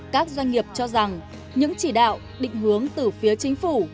các doanh nghiệp cho rằng những chỉ đạo định hướng từ phía chính phủ